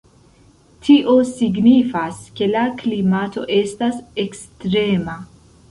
Tio signifas ke la klimato estas ekstrema.